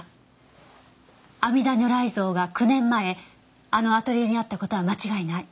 阿弥陀如来像が９年前あのアトリエにあった事は間違いない。